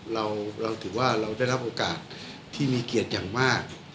เราถือว่าเราได้รับโอกาสที่มีเกียรติอย่างมาก